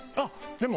でも。